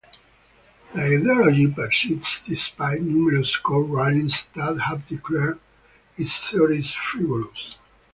The ideology persists despite numerous court rulings that have declared its theories frivolous.